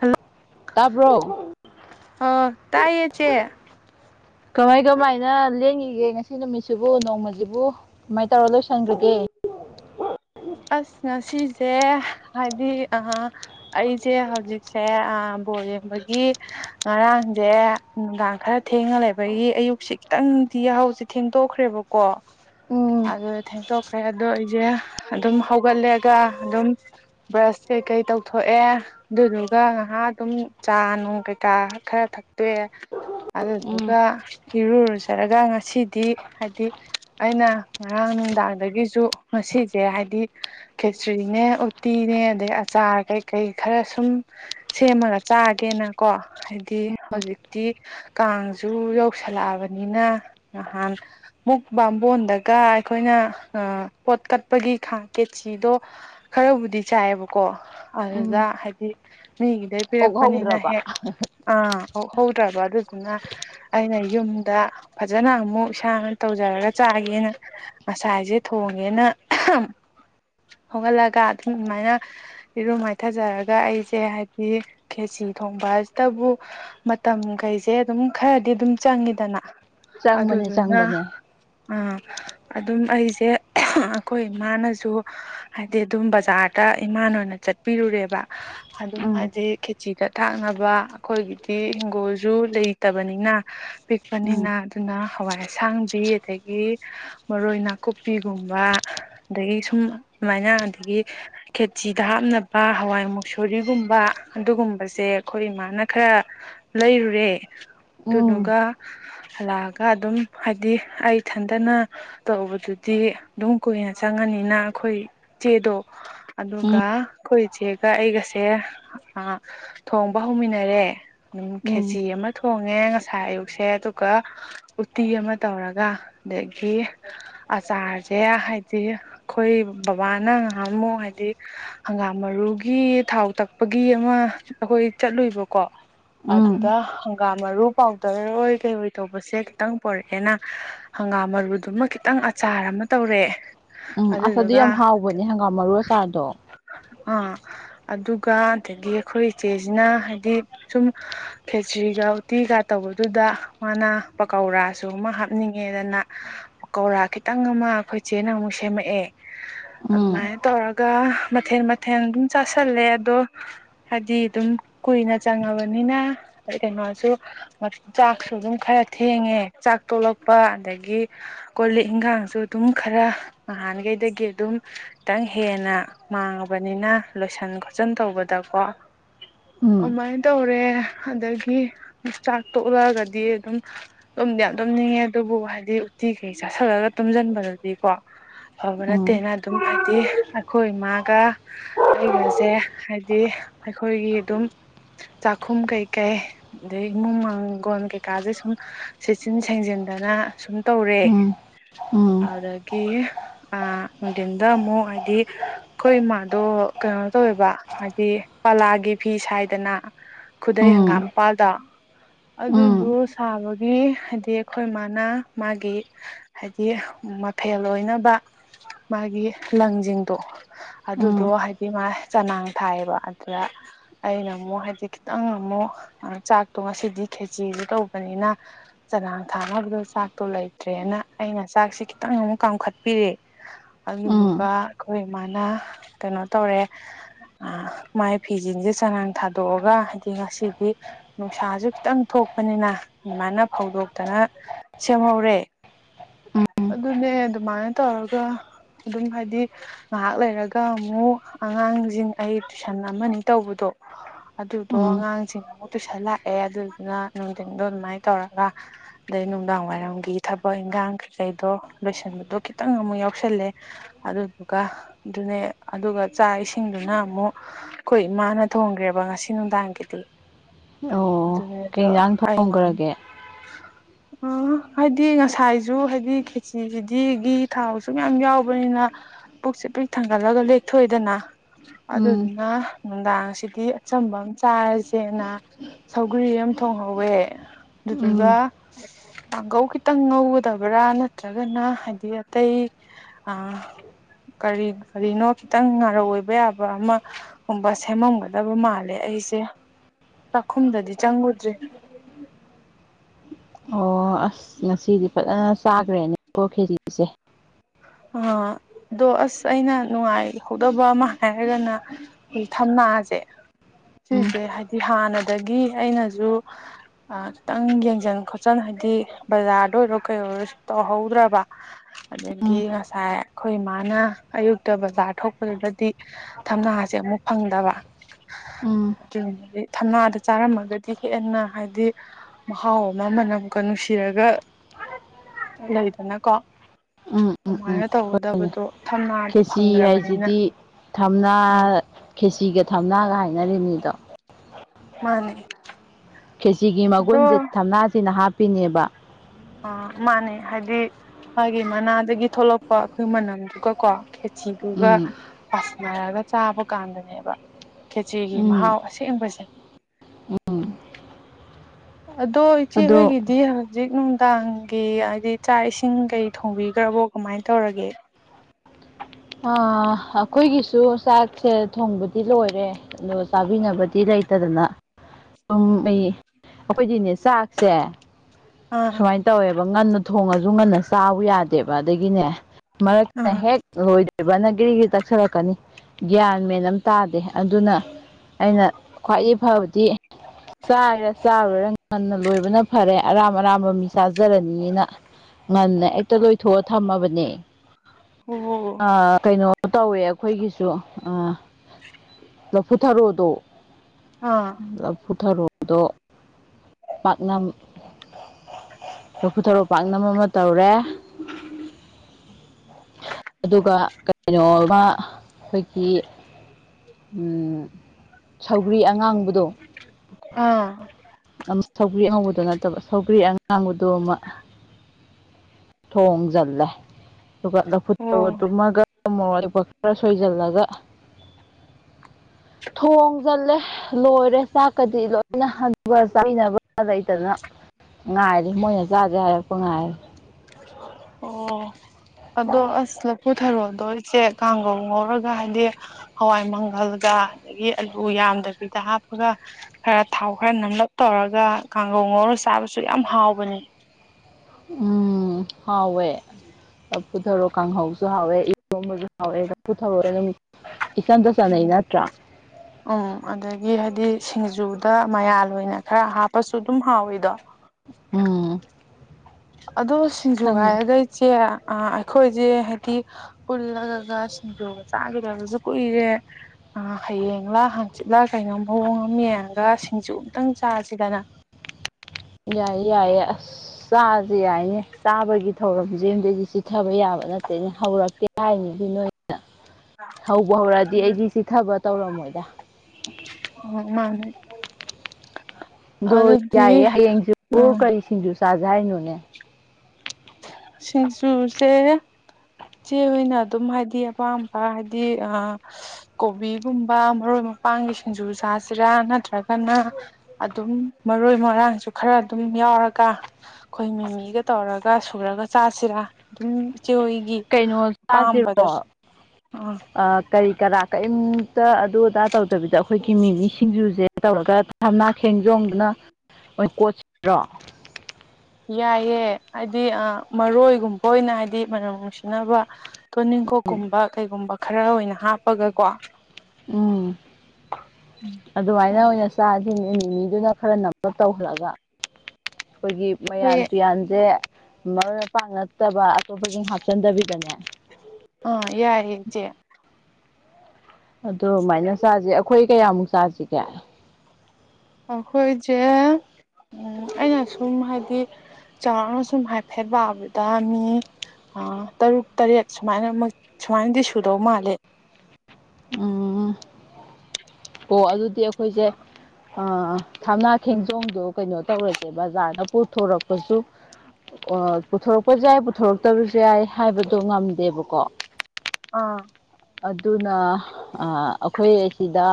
hello ꯇꯥꯕ꯭ꯔꯣ ꯑ ꯇꯥꯏꯌꯦ ꯆꯦ ꯀꯃꯥꯏ ꯀꯃꯥꯏꯅ ꯂꯦꯟꯒꯤꯒꯦ ꯉꯁꯤ ꯅꯨꯃꯤꯠꯁꯤꯕꯨ ꯅꯣꯡꯃꯖꯤꯕꯨ ꯀꯃꯥꯏ ꯇꯧꯔ ꯂꯣꯏꯁꯟꯒ꯭ꯔꯒꯦ ꯑꯁ ꯉꯁꯤꯖꯦ ꯍꯥꯏꯗꯤ ꯑ ꯑꯩꯖꯦ ꯍꯧꯖꯤꯛꯁꯦ ꯑ ꯕꯣꯜ ꯌꯦꯡꯕꯒꯤ ꯉꯔꯥꯡꯖꯦ ꯅꯨꯡꯗꯥꯡ ꯈꯔ ꯊꯦꯡꯅ ꯂꯩꯕꯒꯤ ꯑꯌꯨꯛꯁꯤ ꯈꯤꯇꯪꯗꯤ ꯌꯥꯍꯧꯁꯦ ꯊꯦꯡꯇꯣꯛꯈ꯭ꯔꯦꯕ ꯀꯣ ꯎꯝ ꯑꯗꯨꯗ ꯊꯦꯡꯇꯣꯛꯈ꯭ꯔꯦ ꯑꯗꯣ ꯑꯩꯖꯦ ꯑꯗꯨꯝ ꯍꯧꯒꯠꯂꯦꯒ ꯑꯗꯨꯝ ꯕ꯭ꯔꯁ ꯀꯩꯀꯩ ꯇꯧꯊꯣꯛꯑꯦ ꯑꯗꯨꯗꯨꯒ ꯉꯥꯍꯥꯛ ꯑꯗꯨꯝ ꯆꯥ ꯅꯨꯡ ꯀꯩꯀꯥ ꯈꯔ ꯊꯛꯇꯣꯛꯑꯦ ꯎꯝ ꯑꯗꯨꯗꯨꯒ ꯏꯔꯨꯔꯨꯖꯔꯒ ꯉꯁꯤꯗꯤ ꯍꯥꯏꯗꯤ ꯑꯩꯅ ꯉꯔꯥꯡ ꯅꯨꯡꯗꯥꯡꯗꯒꯤꯁꯨ ꯉꯁꯤ ꯇꯦ ꯍꯥꯏꯗꯤ ꯈꯦꯆ꯭ꯔꯤꯅꯦ ꯎꯇꯤꯅꯦ ꯑꯗꯩ ꯑꯆꯥꯔ ꯀꯩꯀꯩ ꯈꯔ ꯁꯨꯝ ꯁꯦꯝꯃꯒ ꯆꯥꯒꯦꯅꯀꯣ ꯍꯥꯏꯗꯤ ꯍꯧꯖꯤꯛꯇꯤ ꯀꯥꯡꯖꯨ ꯌꯧꯁꯜꯂꯛꯑꯕꯅꯤꯅ ꯅꯍꯥꯟ ꯃꯨꯛ ꯕꯥꯝꯕꯣꯟꯗꯒ ꯑꯩꯈꯣꯏꯅ ꯑ ꯄꯣꯠ ꯀꯠꯄꯒꯤ ꯈꯥꯡ ꯀꯦꯆꯤꯗꯣ ꯈꯔꯕꯨꯗꯤ ꯆꯥꯏꯑꯦꯕꯀꯣ ꯑꯗꯨꯗ ꯎꯝ ꯍꯥꯏꯗꯤ ꯃꯤꯒꯤꯗꯩ ꯄꯤꯔꯛꯄꯅꯤꯅ ꯑꯣꯛꯍꯧꯗ꯭ꯔꯕ ꯍꯦꯛ ꯑꯥ ꯑꯣꯛꯍꯧꯗ꯭ꯔꯕ ꯑꯗꯨꯗꯨꯅ ꯑꯩꯅ ꯌꯨꯝꯗ ꯐꯖꯅ ꯑꯃꯨꯛ ꯏꯁꯥꯅ ꯇꯧꯖꯔꯒ ꯆꯥꯒꯦꯅ ꯉꯁꯥꯏꯖꯦ ꯊꯣꯡꯉꯦꯅ ꯑꯍꯝ ꯍꯧꯒꯠꯂꯒ ꯑꯗꯨꯝ ꯑꯗꯨꯃꯥꯏꯅ ꯏꯔꯨꯝ ꯃꯥꯏꯊꯖꯔꯒ ꯑꯩꯁꯦ ꯍꯥꯏꯗꯤ ꯈꯦꯆꯤ ꯊꯣꯡꯕ ꯑꯖꯤꯇꯕꯨ ꯃꯇꯝ ꯀꯩꯁꯦ ꯑꯗꯨꯝ ꯈꯔꯗꯤ ꯑꯗꯨꯝ ꯆꯪꯉꯤꯗꯅ ꯆꯪꯕꯅꯦ ꯑꯗꯨꯗꯨꯅ ꯆꯪꯕꯅꯦ ꯑ ꯑꯗꯨꯝ ꯑꯩꯖꯦ ꯈꯣꯏ ꯏꯃꯥꯅꯖꯨ ꯍꯥꯏꯗꯤ ꯑꯗꯨꯝ ꯕꯖꯥꯔꯗ ꯏꯃꯥꯅ ꯑꯣꯏꯅ ꯆꯠꯄꯤꯔꯨꯔꯦꯕ ꯑꯗꯨꯝ ꯎꯝ ꯍꯥꯏꯗꯤ ꯈꯦꯆꯤꯗ ꯊꯥꯛꯅꯕ ꯑꯩꯈꯣꯏꯒꯤꯗꯤ ꯍꯤꯡꯒꯣꯜꯖꯨ ꯂꯩꯇꯕꯅꯤꯅ ꯎꯝ ꯄꯤꯛꯄꯅꯤꯅ ꯑꯗꯨꯅ ꯍꯋꯥꯏ ꯑꯁꯥꯡꯕꯤ ꯑꯗꯒꯤ ꯃꯔꯣꯏ ꯅꯥꯀꯨꯞꯄꯤꯒꯨꯝꯕ ꯑꯗꯒꯤ ꯁꯨꯝ ꯁꯨꯃꯥꯏꯅ ꯑꯗꯒꯤ ꯈꯦꯠꯆꯤꯗ ꯍꯥꯞꯅꯕ ꯍꯋꯥꯏ ꯃꯨꯛꯁꯣꯔꯤꯒꯨꯝꯕ ꯑꯗꯨꯒꯨꯝꯕꯖꯦ ꯑꯩꯈꯣꯏ ꯏꯃꯥꯅ ꯈꯔ ꯂꯩꯔꯨꯔꯦ ꯎꯝ ꯇꯨꯗꯨꯒ ꯍꯂꯛꯑꯒ ꯑꯗꯨꯝ ꯍꯥꯏꯗꯤ ꯑꯩ ꯏꯊꯟꯇꯅ ꯇꯧꯕꯗꯨꯗꯤ ꯑꯗꯨꯝ ꯀꯨꯏꯅ ꯆꯪꯉꯅꯤꯅ ꯑꯩꯈꯣꯏ ꯆꯦꯗꯣ ꯎꯝ ꯑꯗꯨꯒ ꯈꯣꯏ ꯏꯆꯦꯒ ꯑꯩꯒꯁꯦ ꯑ ꯊꯣꯡꯕ ꯍꯧꯃꯤꯟꯅꯔꯦ ꯑꯗꯨꯝ ꯎꯝ ꯈꯦꯆꯤ ꯑꯃ ꯊꯣꯡꯉꯦ ꯉꯁꯥꯏ ꯑꯌꯨꯛꯁꯦ ꯑꯗꯨꯒ ꯎꯇꯤ ꯑꯃ ꯇꯧꯔꯒ ꯑꯗꯒꯤ ꯑꯆꯥꯔꯖꯦ ꯍꯥꯏꯗꯤ ꯑꯩꯈꯣꯏ ꯕꯕꯥꯅ ꯉꯥꯍꯥꯃꯨꯛ ꯍꯥꯏꯗꯤ ꯍꯪꯒꯥꯝ ꯃꯔꯨꯒꯤ ꯊꯥꯎ ꯇꯛꯄꯒꯤ ꯑꯃ ꯑꯩꯈꯣꯏ ꯆꯠꯂꯨꯏꯕꯀꯣ ꯎꯝ ꯑꯗꯨꯗ ꯍꯪꯒꯥꯝ ꯃꯔꯨ ꯄꯥꯎꯗꯔ ꯑꯣꯏ ꯀꯩ ꯑꯣꯏ ꯇꯧꯕꯁꯦ ꯈꯤꯇꯪ ꯄꯣꯔꯛꯑꯦꯅ ꯍꯪꯒꯥꯝ ꯃꯔꯨꯗꯨꯃ ꯈꯤꯇꯪ ꯑꯆꯥꯔ ꯑꯃ ꯇꯧꯔꯦ ꯎꯝ ꯑꯁ ꯑꯗꯨ ꯌꯥꯝ ꯍꯥꯎꯕꯅꯦ ꯍꯪꯒꯥꯝ ꯃꯔꯨ ꯑꯆꯥꯔꯗꯣ ꯑꯥ ꯑꯗꯨꯒ ꯑꯗꯒꯤ ꯑꯩꯈꯣꯏ ꯏꯆꯦꯁꯤꯅ ꯍꯥꯏꯗꯤ ꯁꯨꯝ ꯈꯦꯆ꯭ꯔꯤꯒ ꯎꯇꯤꯒ ꯇꯧꯕꯗꯨꯗ ꯃꯥꯅ ꯄꯀꯧꯔꯥ ꯁꯨ ꯑꯃ ꯍꯥꯞꯅꯤꯡꯉꯦꯗꯅꯀꯧꯔꯥ ꯈꯤꯇꯪ ꯑꯃ ꯑꯩꯈꯣꯏ ꯆꯦꯅ ꯑꯃꯨꯛ ꯁꯦꯝꯃꯛꯑꯦ ꯎꯝ ꯑꯗꯨꯃꯥꯏꯅ ꯇꯧꯔꯒ ꯃꯊꯦꯜ ꯃꯊꯦꯜ ꯑꯗꯨꯝ ꯆꯥꯁꯜꯂꯦ ꯑꯗꯣ ꯍꯥꯏꯗꯤ ꯑꯗꯨꯝ ꯀꯨꯏꯅ ꯆꯪꯉꯕꯅꯤꯅ ꯀꯩꯅꯣꯁꯨ ꯆꯥꯛꯁꯨ ꯑꯗꯨꯝ ꯈꯔ ꯊꯦꯡꯉꯦ ꯆꯥꯛ ꯇꯣꯂꯛꯄ ꯑꯗꯒꯤ ꯀꯣ ꯂꯤꯛ ꯏꯟꯒꯥꯡꯁꯨ ꯑꯗꯨꯝ ꯈꯔ ꯅꯍꯥꯟꯈꯩꯗꯒꯤ ꯑꯗꯨꯝ ꯈꯤꯇꯪ ꯍꯦꯟꯅ ꯃꯥꯡꯉꯕꯅꯤꯅ ꯂꯣꯏꯁꯤꯟ ꯈꯣꯠꯆꯤꯟ ꯇꯧꯕꯗꯀꯣ ꯎꯝ ꯑꯗꯨꯃꯥꯏꯅ ꯇꯧꯔꯦ ꯑꯗꯒꯤ ꯆꯥꯛ ꯇꯣꯛꯂꯛꯑꯒꯗꯤ ꯑꯗꯨꯝ ꯇꯨꯝꯗꯤ ꯌꯥꯝ ꯇꯨꯝꯅꯤꯡꯉꯦ ꯑꯗꯨꯕꯨ ꯍꯥꯏꯗꯤ ꯎꯠꯇꯤ ꯀꯩ ꯆꯥꯥꯁꯜꯂꯒ ꯇꯨꯝꯁꯤꯟꯕꯗꯗꯤꯀꯣ ꯐꯕ ꯎꯝ ꯅꯠꯇꯦꯅ ꯑꯗꯨꯝ ꯍꯥꯏꯗꯤ ꯑꯩꯈꯣꯏ ꯏꯃꯥꯒ ꯑꯩꯒꯁꯦ ꯍꯥꯏꯗꯤ ꯑꯩꯈꯣꯏꯒꯤ ꯑꯗꯨꯝ ꯆꯥꯛꯈꯨꯝ ꯀꯩꯀꯩ ꯑꯗꯩ ꯏꯃꯨꯡ ꯃꯥꯡꯒꯣꯜ ꯀꯩꯀꯥꯁꯦ ꯁꯨꯝ ꯁꯦꯠꯆꯤꯟ ꯁꯦꯡꯖꯤꯟꯗꯅ ꯁꯨꯝ ꯇꯧꯔꯦ ꯎꯝ ꯎꯝ ꯑꯗꯨꯗꯒꯤ ꯅꯨꯡꯊꯤꯟꯗ ꯑꯃꯨꯛ ꯍꯥꯏꯗꯤ ꯑꯩꯈꯣꯏ ꯏꯃꯥꯗꯣ ꯀꯩꯅꯣ ꯇꯧꯋꯦꯕ ꯍꯥꯏꯗꯤ ꯄꯥꯂꯥꯒꯤ ꯐꯤꯁ ꯍꯥꯏꯗꯅ ꯈꯨꯗꯩ ꯎꯝ ꯍꯪꯒꯥꯝꯄꯥꯥ ꯎꯝ ꯑꯗꯨꯗꯨꯣ ꯁꯥꯕꯒꯤ ꯍꯥꯏꯗꯤ ꯑꯩꯈꯣꯏ ꯃꯥꯅ ꯃꯥꯒꯤ ꯍꯥꯏꯗꯤ ꯐꯦꯜ ꯑꯣꯏꯅꯕ ꯃꯥꯒꯤ ꯂꯪꯁꯤꯡꯗꯣ ꯎꯝ ꯑꯗꯨꯗꯣ ꯍꯥꯏꯗꯤ ꯃꯥ ꯆꯅꯥꯡ ꯊꯥꯏꯌꯦꯕ ꯑꯗꯨꯗ ꯑꯩꯅ ꯑꯃꯨꯛ ꯍꯥꯏꯗꯤ ꯈꯤꯇꯪ ꯑꯃꯨꯛ ꯆꯥꯛꯇꯣ ꯉꯁꯤꯗꯤ ꯈꯦꯆꯁꯤ ꯇꯧꯕꯅꯤꯅ ꯆꯔꯥꯡ ꯊꯥꯅꯕꯗꯣ ꯆꯥꯛꯇꯣ ꯂꯩꯇ꯭ꯔꯦꯅ ꯑꯩꯅ ꯆꯥꯛꯁꯤ ꯈꯤꯇꯪ ꯑꯃꯨꯛ ꯀꯥꯝꯈꯠꯄꯤꯔꯦ ꯎꯝ ꯑꯗꯨꯗꯨꯒ ꯑꯩꯈꯣꯏ ꯑꯗꯨꯃꯥꯏꯅ ꯀꯩꯅꯣ ꯇꯧꯔꯦ ꯑ ꯃꯥꯏ ꯐꯤꯖꯤꯡꯁꯦ ꯆꯅꯥꯡ ꯊꯥꯗꯣꯛꯑꯒ ꯍꯥꯏꯗꯤ ꯉꯁꯤꯗꯤ ꯅꯨꯡꯁꯥꯁꯨ ꯈꯤꯇꯪ ꯊꯣꯛꯄꯅꯤꯅ ꯑꯗꯨꯃꯥꯏꯅ ꯐꯧꯗꯣꯛꯇꯅ ꯁꯦꯝꯍꯧꯔꯦ ꯎ ꯑꯗꯨꯅꯦ ꯑꯗꯨꯃꯥꯏꯅ ꯇꯧꯔꯒ ꯑꯗꯨꯝ ꯍꯥꯏꯗꯤ ꯉꯥꯏꯍꯥꯛ ꯂꯩꯔꯒ ꯑꯃꯨꯛ ꯑꯉꯥꯡꯁꯤꯡ ꯑꯩ ꯇꯨꯏꯁꯟ ꯑꯃꯅꯤ ꯇꯧꯕꯗꯣ ꯑꯗꯨꯗꯣ ꯎꯝ ꯑꯉꯥꯡꯁꯤꯡ ꯑꯃꯨꯛ ꯇꯨꯏꯁꯟ ꯂꯥꯛꯑꯦ ꯑꯗꯨꯗꯨꯅ ꯅꯨꯡꯊꯤꯟꯗꯣ ꯑꯗꯨꯃꯥꯏꯅ ꯇꯧꯔꯒ ꯑꯗꯩ ꯅꯨꯡꯗꯥꯡ ꯋꯥꯏꯔꯝꯒꯤ ꯊꯕꯛ ꯏꯟꯈꯥꯡ ꯀ꯭ꯔꯤꯈꯩꯗꯣ ꯂꯣꯏꯁꯤꯟꯕꯗꯣ ꯈꯤꯇꯪ ꯑꯃꯨꯛ ꯌꯥꯎꯁꯜꯂꯦ ꯑꯗꯨꯗꯨꯒ ꯑꯗꯨꯅꯦ ꯑꯗꯨꯒ ꯆꯥꯛ ꯏꯁꯤꯡꯗꯨꯅ ꯑꯃꯨꯛ ꯑꯩꯈꯣꯏ ꯏꯃꯥꯅ ꯊꯣꯡꯈ꯭ꯔꯦꯕ ꯉꯁꯤ ꯅꯨꯡꯗꯥꯡꯒꯤꯗꯤ ꯑꯣ ꯑꯗꯨꯅꯦꯗꯣ ꯀꯩ ꯏꯟꯖꯥꯡ ꯑꯩꯅꯃꯨꯛ ꯊꯣꯡꯈ꯭ꯔꯒꯦ ꯑ ꯍꯥꯏꯗꯤ ꯉꯁꯥꯏꯁꯨ ꯍꯥꯏꯗꯤ ꯈꯦꯁꯤꯁꯤꯗꯤꯒꯤ ꯊꯥꯎꯁꯨ ꯃꯌꯥꯝ ꯌꯥꯎꯕꯅꯤꯅ ꯄꯨꯛꯁꯦ ꯄꯤꯛ ꯊꯪꯒꯠꯂꯒ ꯂꯦꯛꯊꯣꯛꯏꯗꯅ ꯎꯝ ꯑꯗꯨꯗꯨꯅ ꯅꯨꯡꯗꯥꯡꯁꯤꯗꯤ ꯑꯆꯝꯕ ꯑꯃ ꯆꯥꯔꯁꯦꯅ ꯁꯧꯒ꯭ꯔꯤ ꯑꯃ ꯊꯣꯡꯍꯧꯋꯦ ꯑꯗꯨꯗꯨꯒ ꯎꯝ ꯀꯥꯡꯒꯧ ꯈꯤꯇꯪ ꯉꯧꯒꯗꯕ꯭ꯔꯥꯅ ꯅꯠꯇ꯭ꯔꯒꯅ ꯍꯥꯏꯗꯤ ꯑꯇꯩ ꯀꯔꯤ ꯀꯔꯤꯅꯣ ꯈꯤꯇꯪ ꯉꯥꯔꯧ ꯑꯣꯏꯕ ꯌꯥꯕ ꯑꯃ ꯀꯨꯝꯕ ꯁꯦꯝꯃꯝꯒꯗꯕ ꯃꯥꯜꯂꯦ ꯑꯩꯁꯦ ꯆꯥꯛꯈꯨꯝꯗꯗꯤ ꯆꯪꯉꯨꯗ꯭ꯔꯤ ꯑꯣ ꯑꯁ ꯉꯁꯤꯗꯤ ꯐꯖꯅ ꯆꯥꯈ꯭ꯔꯦꯅꯦ ꯁꯣꯔ ꯈꯦꯖꯤꯁꯦ ꯑ ꯑꯗꯣ ꯑꯁ ꯑꯩꯅ ꯅꯨꯡꯉꯥꯏꯍꯧꯗꯕ ꯑꯃ ꯍꯥꯏꯔꯒꯅ ꯍꯧꯖꯤꯛ ꯊꯝꯅꯥꯁꯦ ꯎꯝ ꯁꯤꯁꯦ ꯍꯥꯏꯗꯤ ꯍꯥꯟꯅꯗꯒꯤ ꯑꯩꯅꯁꯨ ꯉꯥꯛꯇꯪ ꯌꯦꯡꯁꯟ ꯈꯣꯠꯆꯟ ꯍꯥꯏꯗꯤ ꯕꯖꯥꯔꯗ ꯑꯣꯏꯔꯣ ꯀꯩ ꯑꯣꯏꯔꯣꯁꯨ ꯇꯧꯍꯧꯗ꯭ꯔꯕ ꯑꯗꯒꯤ ꯎꯝ ꯉꯁꯥꯏ ꯑꯩꯈꯣꯏ ꯏꯃꯥꯅ ꯑꯌꯨꯛꯇ ꯕꯖꯥꯔ ꯊꯣꯛꯄꯗꯨꯗꯗꯤ ꯊꯝꯅꯥꯥꯁꯦ ꯑꯃꯨꯛ ꯐꯪꯗꯕ ꯎꯝ ꯑꯗꯨꯗꯤ ꯊꯝꯅꯥꯗ ꯆꯥꯔꯝꯃꯒꯗꯤ ꯍꯦꯟꯅ ꯍꯥꯏꯗꯤ ꯃꯍꯥꯎ ꯑꯃ ꯑꯃꯅ ꯑꯃꯨꯛꯀ ꯅꯨꯡꯁꯤꯔꯒ ꯂꯩꯗꯅꯀꯣ ꯑꯗꯨꯃꯥꯏꯅ ꯇꯧꯒꯗꯕꯗꯣ ꯊꯝꯅꯥꯗꯣ ꯈꯦꯁꯤ ꯐꯪꯗ꯭ꯔꯕꯅꯤꯅ ꯍꯥꯏꯁꯤꯗꯤ ꯊꯝꯅꯥ ꯎꯝ ꯈꯦꯁꯤꯒ ꯊꯝꯅꯥꯒ ꯍꯥꯏꯅꯔꯤ ꯃꯤꯗꯣ ꯃꯥꯅꯦ ꯀꯦꯖꯤꯒꯤ ꯑꯗꯣ ꯃꯒꯨꯟꯁꯦ ꯊꯝꯅꯥꯁꯤꯅ ꯍꯥꯞꯄꯤꯅꯦꯕ ꯑ ꯃꯥꯅꯦ ꯍꯥꯏꯗꯤ ꯃꯥꯒꯤ ꯃꯅꯥꯗꯒꯤ ꯊꯣꯛꯂꯛꯄ ꯑꯩꯈꯣꯏ ꯃꯅꯝꯗꯨꯒ ꯀꯣ ꯈꯦꯆꯤꯗꯨꯒ ꯎꯝ ꯄꯥꯁꯟꯅꯔꯒ ꯆꯥꯕ ꯀꯥꯟꯗꯅꯦꯕ ꯈꯦꯆꯦꯒꯤ ꯎꯝ ꯃꯍꯥꯎ ꯑꯁꯦꯡꯕꯁꯦ ꯎꯝ ꯑꯗꯨꯗꯣ ꯏꯆꯦ ꯑꯗꯣ ꯍꯒꯗꯤ ꯍꯧꯖꯤꯛ ꯅꯨꯡꯗꯥꯡꯒꯤ ꯍꯥꯏꯗꯤ ꯆꯥꯛ ꯏꯁꯤꯡ ꯀꯩ ꯊꯣꯡꯕꯤꯈ꯭ꯔꯕꯣ ꯀꯃꯥꯏꯅ ꯇꯧꯔꯒꯦ ꯑꯩꯈꯣꯏꯒꯤꯁꯨ ꯆꯥꯛꯁꯦ ꯊꯣꯡꯕꯗꯤ ꯂꯣꯏꯔꯦ ꯑꯗꯣ ꯆꯥꯕꯤꯅꯕꯗꯤ ꯂꯩꯇꯗꯅ ꯁꯨꯝ ꯑꯩ ꯑꯩꯈꯣꯏꯗꯤꯅꯦ ꯆꯥꯛꯁꯦ ꯑꯣ ꯁꯨꯃꯥꯏꯅ ꯇꯧꯋꯦꯕ ꯉꯟꯅ ꯊꯣꯡꯉꯁꯨ ꯉꯟꯅ ꯆꯥꯕ ꯌꯥꯗꯦꯕ ꯑꯗꯒꯤꯅꯦ ꯃꯔꯛ ꯑꯥ ꯍꯦꯛ ꯣꯏꯗꯣꯏꯔꯤꯕꯅꯒꯤꯔꯤꯒꯤ ꯇꯛꯁꯔꯛꯀꯅꯤ ꯒ꯭ꯌꯥꯟ ꯃꯦꯟ ꯑꯃ ꯇꯥꯗꯦ ꯑꯗꯨꯅ ꯑꯩꯅ ꯈ꯭ꯋꯥꯏꯗꯒꯤ ꯐꯕꯗꯤ ꯆꯥꯏꯔꯥ ꯆꯥꯕꯔꯥ ꯉꯟꯅ ꯂꯣꯏꯕꯅ ꯐꯔꯦ ꯑꯔꯥꯝ ꯑꯔꯥꯕ ꯃꯤ ꯆꯥꯖꯔꯅꯤꯅ ꯉꯟꯅ ꯍꯦꯛꯇ ꯂꯣꯏꯊꯣꯛꯑ ꯊꯝꯃꯕꯅꯦ ꯍ ꯍꯣ ꯑꯥ ꯀꯩꯅꯣ ꯇꯧꯋꯦ ꯑꯩꯈꯣꯏꯒꯤꯁꯨ ꯑꯥ ꯅꯐꯨꯊꯔꯣꯗꯣ ꯑ ꯂꯐꯨꯊꯔꯣꯗꯣ ꯄꯥꯛꯅ ꯂꯐꯨ ꯊꯔꯛ ꯄꯥꯛꯅꯝ ꯑꯃ ꯇꯧꯔꯦ ꯑꯗꯨꯒ ꯀꯩꯅꯣꯕ ꯑꯩꯈꯣꯏꯒꯤ ꯁꯧꯒ꯭ꯔꯤ ꯑꯉꯥꯡꯕꯗꯣ ꯑꯥ ꯁꯧꯒ꯭ꯔꯤ ꯑꯉꯧꯕꯗꯣ ꯅꯠꯇꯕ ꯁꯧꯒ꯭ꯔꯤ ꯑꯉꯥꯡꯕꯗꯣ ꯑꯃ ꯊꯣꯡꯖꯤꯜꯂꯦ ꯑꯗꯨꯒ ꯂꯐꯨꯠ ꯇꯔꯨ ꯑꯣ ꯇꯨꯝꯃꯒ ꯇꯃꯣꯔ ꯑꯇꯄ ꯈꯔ ꯁꯣꯏꯁꯤꯜꯂꯒ ꯊꯣꯡ ꯆꯜꯂꯦ ꯂꯣꯏꯔꯦ ꯆꯥꯛꯀꯗꯤ ꯂꯣꯏꯅ ꯍ ꯑꯗꯨꯒ ꯆꯥꯃꯤꯕꯗꯩꯇꯅ ꯉꯥꯏꯔꯦ ꯃꯣꯏꯅ ꯆꯥꯗꯦ ꯍꯥꯏꯔꯛꯄ ꯉꯥꯏꯔꯦ ꯑꯣ ꯑꯗꯣ ꯑꯂ ꯀꯊꯔꯣꯗꯣ ꯏꯆꯦ ꯀꯥꯡꯈꯧ ꯉꯧꯔꯒ ꯍꯥꯏꯗꯤ ꯍꯋꯥꯏ ꯃꯪꯒꯜꯒ ꯑꯗꯒꯤ ꯑꯂꯨ ꯌꯥꯝꯗꯕꯤꯗ ꯍꯥꯞꯄꯒ ꯈꯔ ꯊꯥꯎ ꯈꯔ ꯅꯝꯂꯞ ꯇꯧꯔꯒ ꯀꯥꯡꯒꯧ ꯉꯧꯔ ꯆꯥꯕꯁꯨ ꯌꯥꯝ ꯍꯥꯎꯕꯅꯤ ꯎꯝ ꯍꯥꯎꯋꯦ ꯄꯨꯊꯔꯣ ꯀꯥꯡꯍꯧꯁꯨ ꯍꯥꯎꯋꯦ ꯥꯎꯋꯦ ꯊꯔꯛ ꯑꯗꯨꯝ ꯏꯆꯟꯇ ꯆꯠꯅꯩ ꯅꯠꯇ꯭ꯔꯥ ꯎꯝ ꯑꯗꯒꯤ ꯍꯥꯏꯗꯤ ꯁꯤꯡꯖꯨꯗ ꯃꯌꯥꯜ ꯑꯣꯏꯅ ꯈꯔ ꯍꯥꯞꯄꯁꯨ ꯑꯗꯨꯝ ꯍꯥꯎꯋꯤꯗꯣ ꯎꯝ ꯑꯗꯣ ꯑꯁ ꯁꯤꯡꯖꯨ ꯈꯪꯗꯦ ꯍꯥꯏꯔꯒꯩꯆꯦ ꯑꯩꯈꯣꯏꯁꯦ ꯍꯥꯏꯗꯤ ꯄꯨꯜꯂꯒꯒ ꯁꯤꯡꯖꯒ ꯆꯥꯒꯗꯒꯁꯨ ꯀꯨꯏꯔꯦ ꯍꯌꯦꯡꯂ ꯍꯥꯡꯆꯤꯠꯂꯥ ꯀꯩꯅꯣ ꯃꯑꯣꯡ ꯑꯃ ꯌꯦꯡꯉꯒ ꯁꯤꯡꯖꯨ ꯑꯃꯝꯇꯪ ꯆꯥꯁꯤꯗꯅ ꯌꯥꯏꯌꯦ ꯌꯥꯏꯌꯦ ꯑꯁ ꯆꯥꯥꯁꯦ ꯌꯥꯏꯅꯦ ꯆꯥꯕꯒꯤ ꯊꯧꯔꯝꯁꯦ ꯑꯝꯗꯗꯤ ꯆꯤꯊꯕ ꯌꯥꯕ ꯅꯠꯇꯦꯅꯦ ꯍꯧꯔꯛꯇꯦ ꯀꯥꯏꯅꯤꯗꯤ ꯅꯣꯏꯗ ꯍꯧꯕ ꯍꯧꯔꯛꯑꯗꯤ ꯑꯩꯗꯤ ꯆꯤꯊꯕ ꯇꯧꯔꯝꯃꯣꯏꯗ ꯑꯣ ꯃꯥꯅꯦ ꯑꯗꯣ ꯑꯗꯨꯗꯤ ꯌꯥꯏꯌꯦ ꯍꯌꯦꯡꯁꯨꯣ ꯎꯝ ꯀꯔꯤ ꯁꯤꯡꯖꯨ ꯆꯥꯖ ꯍꯥꯏꯔꯤꯅꯣꯅꯦ ꯁꯤꯁꯨꯁꯦ ꯏ ꯆꯦ ꯑꯣꯏꯅ ꯑꯗꯨꯝ ꯍꯥꯏꯗꯤ ꯑꯄꯥꯝꯕ ꯍꯥꯏꯗꯤ ꯑ ꯀꯣꯕꯤꯒꯨꯝꯕ ꯃꯔꯣꯏ ꯃꯄꯥꯡꯒꯤ ꯁꯤꯡꯖꯨ ꯆꯥꯁꯤꯔꯥ ꯅꯠꯇ꯭ꯔꯒꯅ ꯑꯗꯨꯝ ꯃꯔꯣꯏ ꯃꯔꯥꯡꯁꯨ ꯈꯔ ꯑꯗꯨꯝ ꯌꯥꯎꯔꯒ ꯑꯩꯈꯣꯏ ꯃꯤꯃꯤꯒ ꯇꯧꯔꯒ ꯁꯨꯔꯒ ꯆꯥꯁꯤꯔꯥ ꯑꯗꯨꯝ ꯏꯆꯦ ꯍꯣꯏꯒꯤ ꯀꯩꯅꯣ ꯆꯥꯁꯤꯔꯣ ꯑꯄꯥꯝꯕꯗꯨꯁꯨ ꯑꯥ ꯀꯔꯤ ꯀꯔꯥ ꯀꯔꯤꯝꯇ ꯑꯗꯨ ꯑꯗꯥ ꯇꯧꯗꯕꯤꯗ ꯑꯩꯈꯣꯏꯒꯤ ꯃꯤ ꯃꯤ ꯁꯤꯡꯖꯨꯁꯦ ꯇꯧꯔꯒ ꯊꯝꯅꯥ ꯈꯦꯡꯖꯣꯗꯨꯅ ꯃꯣꯏ ꯀꯣꯠꯁꯤ꯭ꯔꯣ ꯌꯥꯏꯑꯦ ꯍꯥꯏꯗꯤ ꯑ ꯃꯔꯣꯏꯒꯨꯝꯕ ꯑꯣꯏꯅ ꯍꯥꯏꯗꯤ ꯃꯅꯝ ꯅꯨꯡꯁꯤꯅꯕ ꯇꯣꯅꯤꯡꯀꯣꯛꯀꯨꯝꯕ ꯀꯩꯒꯨꯝꯕ ꯈꯔ ꯑꯣꯏꯅ ꯍꯥꯞꯄꯒꯀꯣ ꯎꯝ ꯑꯗꯨꯃꯥꯏꯅ ꯑꯣꯏꯅ ꯆꯥ ꯊ ꯑꯦꯃꯤ ꯃꯤꯗꯨꯅ ꯈꯔ ꯅꯝꯂꯞ ꯇꯧꯍꯜꯂꯒ ꯑꯩꯈꯣꯏꯒꯤ ꯃꯌꯥꯟ ꯍꯣꯏ ꯇꯨꯌꯥꯟꯁꯦ ꯃꯔꯨꯞ ꯃꯄꯥꯡ ꯅꯠꯇꯕ ꯑꯇꯣꯞꯄꯖꯤꯡ ꯍꯥꯞꯆꯤꯟꯗꯕꯤꯗꯅꯦ ꯑ ꯌꯥꯏꯌꯦ ꯏꯆꯦ ꯑꯗꯨꯃꯥꯏꯅ ꯆꯥꯁ ꯑꯩꯈꯣꯏ ꯀꯌꯥꯃꯨꯛ ꯆꯥꯁꯤꯒꯦ ꯑꯩꯈꯣꯏꯁꯦ ꯑꯩꯅ ꯁꯨꯝ ꯍꯥꯏꯗꯤ ꯆꯥꯎꯔꯥꯛꯅ ꯁꯨꯝ ꯍꯥꯏꯐꯦꯠ ꯋꯥꯕꯗ ꯃꯤ ꯇꯔꯨꯛ ꯇꯔꯦꯠ ꯁꯨꯃꯥꯏꯅ ꯑꯃꯨ ꯁꯨꯃꯥꯏꯅꯗꯤ ꯁꯨꯗꯧ ꯃꯥꯜꯂꯦ ꯎꯝ ꯑꯣ ꯑꯗꯨꯗꯤ ꯑꯩꯈꯣꯏꯁꯦ ꯊꯝꯅꯥ ꯈꯦꯟꯖꯣꯗꯣ ꯀꯩꯅꯣ ꯇꯧꯔꯁꯦ ꯕꯖꯥꯔꯗ ꯄꯨꯊꯣꯔꯛꯄ ꯄꯨꯊꯣꯔꯛꯄꯁꯨ ꯌꯥꯏ ꯄꯨꯊꯣꯔꯛꯇꯕꯁꯨ ꯌꯥꯏ ꯍꯥꯏꯕꯗꯣ ꯉꯝꯗꯦꯕꯀꯣ ꯑꯥ ꯑꯗꯨꯅ ꯑꯩꯈꯣꯏ ꯑꯁꯤꯗ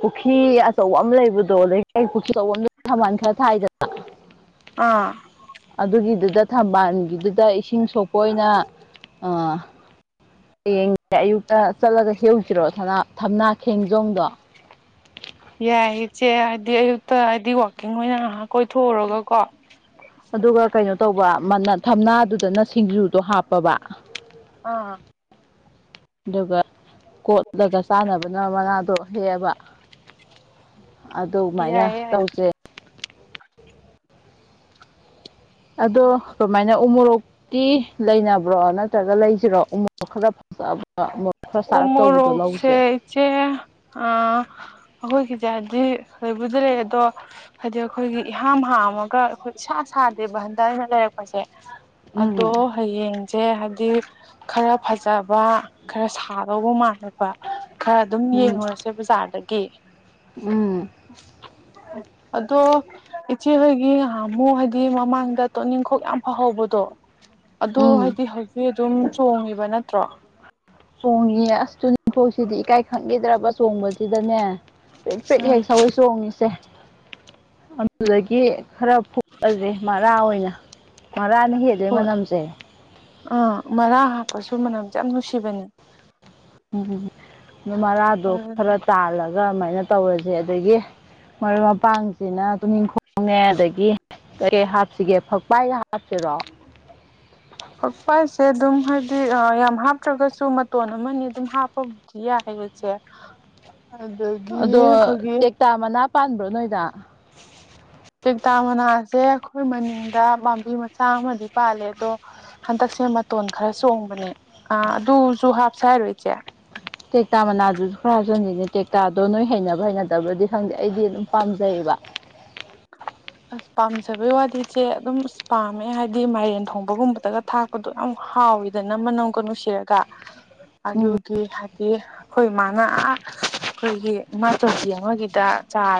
ꯄꯨꯈ꯭ꯔꯤ ꯑꯆꯧꯕ ꯑꯃ ꯂꯩꯕꯗꯣ ꯑ ꯄꯨꯈ ꯑꯆꯧꯕ ꯑꯃ ꯁꯃꯜ ꯈꯔ ꯊꯥꯏꯗꯅ ꯑꯥ ꯑꯗꯨꯒꯤꯗꯨꯗ ꯊꯝꯕꯥꯜꯒꯤꯗꯨꯗ ꯏꯁꯤꯡ ꯁꯣꯛꯄ ꯑꯣꯏꯅ ꯍꯌꯦꯡꯁꯦ ꯑꯌꯨꯛꯇ ꯆꯠꯂꯒ ꯍꯧꯁꯤꯔꯣ ꯊꯝꯅꯥ ꯈꯦꯡꯖꯣꯡꯗꯣ ꯌꯥꯏ ꯏꯆꯦ ꯍꯥꯏꯗꯤ ꯑꯌꯨꯛꯇ ꯍꯥꯏꯗꯤ ꯋꯥꯛꯀꯤꯡ ꯑꯣꯏꯅ ꯉꯥꯏꯍꯥꯛ ꯀꯣꯏꯊꯣꯛꯎꯔꯒ ꯀꯣ ꯑꯗꯨꯒ ꯀꯩꯅꯣ ꯇꯧꯕ ꯊꯝꯅꯥꯗꯨꯗꯅ ꯁꯤꯡꯖꯨꯗꯣ ꯍꯥꯞꯄꯕ ꯑꯥ ꯑꯗꯨꯒ ꯀꯣꯠꯂꯒ ꯆꯥꯅꯕꯅ ꯃꯅꯥꯗꯣ ꯍꯦꯛꯑꯕ ꯑꯗꯨꯃꯥꯏꯅ ꯌꯥꯏ ꯌꯥꯏ ꯇꯧꯁꯦ ꯑꯗꯣ ꯀꯃꯥꯏꯅ ꯎꯃꯣꯔꯣꯛꯇꯤ ꯂꯩꯅꯕ꯭ꯔꯣ ꯅꯠꯇ꯭ꯔꯒ ꯂꯩꯁꯤꯔꯣ ꯎꯃꯣꯔꯣꯛ ꯈꯔ ꯈꯔ ꯆꯥꯔꯞ ꯇꯧꯕꯗꯣ ꯂꯧꯁꯦ ꯁꯦ ꯑꯩꯈꯣꯏꯒꯤꯁꯦꯗꯤ ꯂꯣꯏꯕꯨꯗꯤ ꯂꯩ ꯑꯗꯣ ꯍꯥꯏꯗꯤ ꯑꯩꯈꯣꯏꯒꯤ ꯏꯍꯥꯡ ꯍꯥꯝꯃꯒ ꯑꯩꯈꯣꯏ ꯏꯁꯥ ꯁꯥꯗꯦꯕ ꯍꯟꯗꯛꯩꯅ ꯂꯩꯔꯛꯄꯁꯦ ꯎꯝ ꯑꯗꯣ ꯍꯌꯦꯡꯁꯦ ꯍꯥꯏꯗꯤ ꯈꯔ ꯐꯖꯕ ꯈꯔ ꯊꯥꯗꯧꯕ ꯃꯥꯜꯂꯦꯕ ꯈꯔ ꯑꯗꯨꯝ ꯎꯝ ꯌꯦꯡꯉꯨꯔꯁꯦ ꯕꯖꯥꯔꯗꯒꯤ ꯎꯝ ꯑꯗꯣ ꯏꯆꯦꯍꯣꯏꯒꯤ ꯉꯍꯥꯃꯨ ꯍꯥꯏꯗꯤ ꯃꯃꯥꯡꯗ ꯇꯣꯅꯤꯡꯈꯣꯛ ꯌꯥꯝ ꯐꯍꯧꯕꯗꯣ ꯑꯗꯣ ꯎꯝ ꯍꯥꯏꯗꯤ ꯍꯧꯖꯤꯛ ꯑꯗꯨꯝ ꯆꯣꯡꯉꯤꯕ ꯅꯠꯇ꯭ꯔꯣ ꯆꯣꯡꯉ ꯑꯁꯇꯨ ꯅꯤꯡꯐꯣꯛꯁꯤꯗꯤ ꯏꯀꯥꯏ ꯈꯪꯈꯤꯗ꯭ꯔꯕ ꯆꯣꯡꯕꯁꯤꯗꯅꯦ ꯄꯦꯛ ꯄꯛ ꯍꯦꯛ ꯎꯝ ꯁꯒꯣꯏ ꯆꯣꯡꯉꯤꯁꯦ ꯑꯗꯨꯗꯒꯤ ꯈꯔ ꯐꯨꯑꯁꯦ ꯃꯔꯥ ꯑꯣꯏꯅ ꯃꯔꯥꯅ ꯍꯦꯜꯂꯣꯏ ꯍꯣꯏ ꯃꯅꯝꯁꯦ ꯑꯥ ꯃꯔꯥ ꯍꯥꯞꯄꯁꯨ ꯃꯅꯝꯁꯦ ꯌꯥꯝ ꯅꯨꯡꯁꯤꯕꯅꯦ ꯎꯝ ꯑꯗꯨ ꯃꯔꯥꯗꯣ ꯈꯔ ꯑꯗꯨꯅꯦ ꯇꯥꯜꯂꯒꯦ ꯒ ꯑꯗꯨꯃꯥꯏꯅ ꯇꯧꯔꯁꯦ ꯑꯗꯒꯤ ꯃꯔꯨꯞ ꯃꯄꯥꯡꯁꯤꯅ ꯇꯨꯅꯤꯡꯈꯣꯡꯅꯦ ꯑꯗꯒꯤ ꯀꯩꯀꯩ ꯍꯥꯞꯁꯤꯒꯦ ꯐꯛꯄꯥꯏꯒ ꯍꯥꯞꯁꯤꯔꯣ ꯄꯁꯦ ꯑꯗꯨꯝ ꯍꯥꯏꯗꯤ ꯌꯥꯝ ꯍꯥꯞꯇ꯭ꯔꯒꯁꯨ ꯃꯇꯣꯟ ꯑꯃꯅꯤ ꯑꯗꯨꯝ ꯍꯥꯞꯄ ꯏ ꯍꯥꯏꯒꯡꯁꯦ ꯑꯗꯨ ꯑꯗꯣ ꯇꯦꯛꯇꯥ ꯃꯅꯥ ꯄꯥꯟꯕ꯭ꯔꯣ ꯅꯣꯏꯗ ꯇꯦꯇꯥ ꯃꯅꯥꯁꯦ ꯑꯩꯈꯣꯏ ꯃꯅꯤꯡꯗ ꯄꯥꯝꯕꯤ ꯃꯆꯥ ꯑꯃꯗꯤ ꯄꯥꯜꯂꯦ ꯑꯗꯣ ꯍꯟꯗꯛꯁꯦ ꯃꯇꯣꯟ ꯈꯔ ꯆꯣꯡꯕꯅꯦ ꯑ ꯑꯗꯨꯁꯨ ꯍꯥꯞꯁ ꯍꯥꯏꯔꯣ ꯏꯆꯦ ꯇꯦꯛꯇꯥ ꯃꯅꯥꯗꯨꯁꯨ ꯈꯔ ꯍꯥꯞꯆꯟꯅꯤꯡꯅꯦ ꯇꯦꯛꯇꯥꯗꯣ ꯅꯣꯏ ꯍꯩꯅꯕ ꯍꯩꯅꯗꯕ꯭ꯔꯗꯤ ꯈꯪꯗꯦ ꯑꯩꯗꯤ ꯑꯗꯨꯝ ꯄꯥꯝꯖꯩꯌꯦꯕ ꯑꯁ ꯄꯥꯝꯖꯕꯩ ꯋꯥꯗꯤꯁꯦ ꯑꯗꯨꯝ ꯑꯁ ꯄꯥꯝꯃꯦ ꯍꯥꯏꯗꯤ ꯃꯥꯏꯔꯦꯟ ꯊꯣꯡꯕꯒꯨꯝꯕꯗꯒ ꯊꯥꯛꯄꯗꯣ ꯌꯥꯝ ꯍꯥꯎꯋꯤꯗꯅ ꯃꯅꯝꯒ ꯅꯨꯡꯁꯤꯔꯒ ꯎꯝ ꯑꯗꯨꯗꯤ ꯍꯥꯏꯗꯤ ꯑꯩꯈꯣꯏ ꯃꯥꯅ ꯑꯩꯈꯣꯏꯒꯤ ꯏꯃꯥ ꯆꯧꯁꯤ ꯑꯃꯒꯤꯗ ꯆꯥ